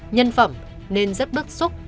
nhân phẩm nên rất bức xúc